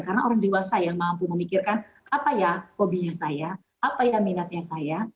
karena orang dewasa yang mampu memikirkan apa ya hobinya saya apa ya minatnya saya